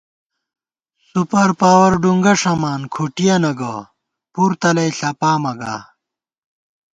سُپر پاوَر ڈُنگہ ݭَمان، کُھٹِیَنہ گہ، پُر تلَئ ݪپامہ گا